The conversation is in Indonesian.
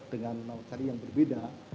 dengan yang berbeda